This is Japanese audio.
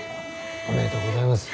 おめでとうございます。